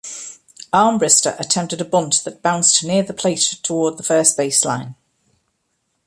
Armbrister attempted a bunt that bounced high near the plate toward the first-base line.